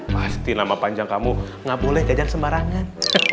pasti nama panjang kamu nggak boleh jejen sembarangan